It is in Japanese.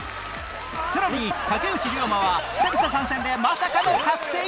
さらに竹内涼真は久々参戦でまさかの覚醒？